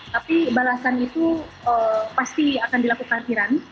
tapi balasan itu pasti akan dilakukan iran